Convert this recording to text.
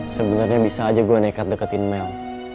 sebenarnya bisa aja gue nekat deketin mel